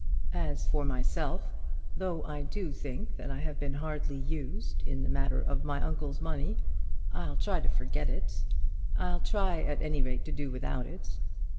As for myself, though I do think I have been hardly used in the matter of my uncle's money, I'll try to forget it. I'll try at any rate to do without it.